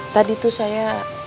tadi tuh saya